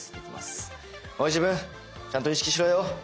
おい自分ちゃんと意識しろよ。